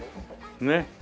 ねっ。